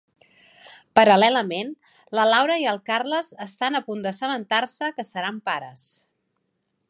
Paral·lelament, la Laura i el Carles estan a punt d'assabentar-se que seran pares.